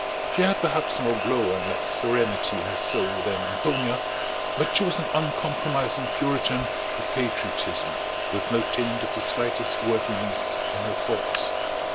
She had perhaps more glow and less serenity in her soul than Antonia, but she was an uncompromising Puritan of patriotism with no taint of the slightest worldliness in her thoughts.